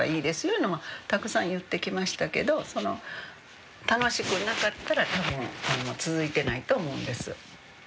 いうのはたくさん言ってきましたけど楽しくなかったら多分続いてないと思うんです。